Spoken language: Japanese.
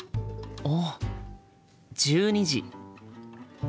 あっ１２時。